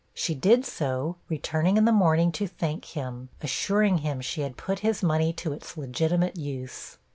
She did so, returning in the morning to thank him, assuring him she had put his money to its legitimate use.